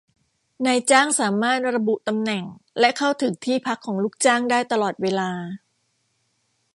นายจ้างสามารถระบุตำแหน่งและเข้าถึงที่พักของลูกจ้างได้ตลอดเวลา